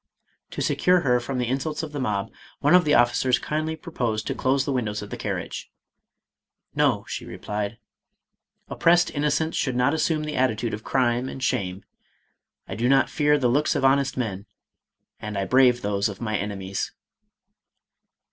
To secure her from the insults of the mob, one of the officers kindly pro posed to close the windows of the carriage. " No," she replied ;" oppressed innocence should not assume the attitude of crime and shame. I do not fear the looks of honest men, and I brave those of my enemies."